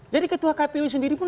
jadi ketua kpu sendiri pun